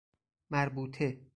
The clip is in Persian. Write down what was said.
مربوطه